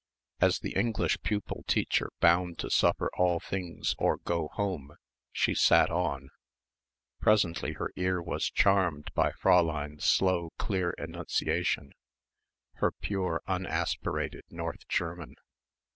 As the English pupil teacher bound to suffer all things or go home, she sat on. Presently her ear was charmed by Fräulein's slow clear enunciation, her pure unaspirated North German.